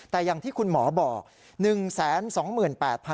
แต่อย่างที่คุณหมอบอก